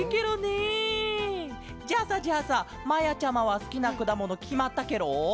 じゃあさじゃあさまやちゃまはすきなくだものきまったケロ？